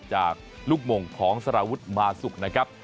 จากลูกมงของสารวุฒิมาสุกนะครับ